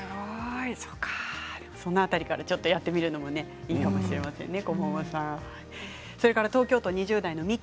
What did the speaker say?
その辺りからやってみるのも、いいかもしれませんね。